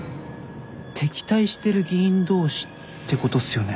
敵対してる議員同士ってことっすよね？